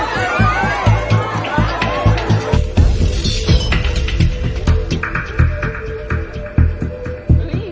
สวัสดีครับ